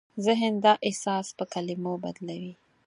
ذهن دا احساس په کلمو بدلوي.